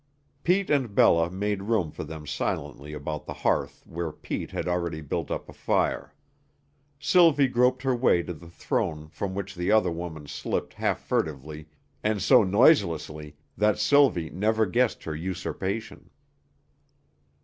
Pete and Bella made room for them silently about the hearth where Pete had already built up a fire. Sylvie groped her way to the throne from which the other woman slipped half furtively and so noiselessly that Sylvie never guessed her usurpation.